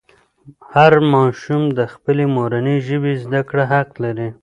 هر ماشوم د خپلې مورنۍ ژبې زده کړه حق لري.